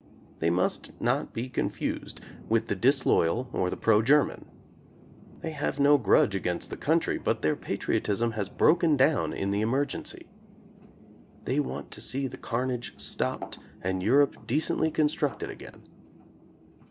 They must not be confused with the disloyal or the pro Ger man. They have no grudge against the country, but their patriotism has broken down in the emer gency. They want to see the carnage stopped and Europe decently constructed again.